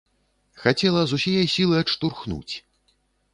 Хацела з усяе сілы адштурхнуць.